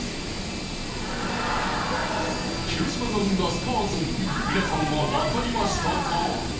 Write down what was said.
広島が生んだスターゾンビ皆さんは分かりましたか？